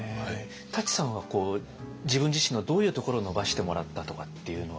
舘さんはこう自分自身のどういうところを伸ばしてもらったとかっていうのは。